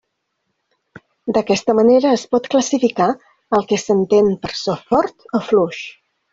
D'aquesta manera es pot classificar el que s'entén per so fort o fluix.